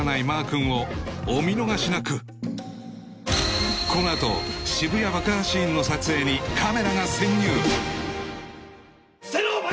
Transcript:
マー君をお見逃しなくこのあと渋谷爆破シーンの撮影にカメラが潜入伏せろ！